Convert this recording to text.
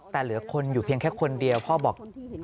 แต่เหลือคนอยู่เพียงแค่คนเดียวพ่อบอก